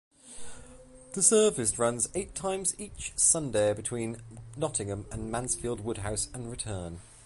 The service runs eight times each Sunday between Nottingham and Mansfield Woodhouse and return.